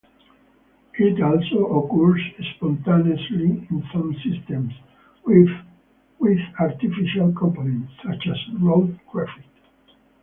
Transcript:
It also occurs spontaneously in some systems with artificial components, such as road traffic.